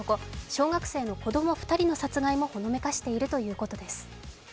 小学生の子供２人の殺害もほのめかしているということです。